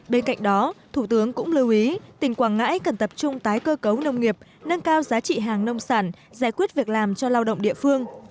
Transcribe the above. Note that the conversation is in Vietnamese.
bên cạnh đó thủ tướng cũng lưu ý tỉnh quảng ngãi cần tập trung tái cơ cấu nông nghiệp nâng cao giá trị hàng nông sản giải quyết việc làm cho lao động địa phương